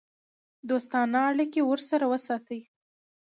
دوستانه اړیکې ورسره وساتي.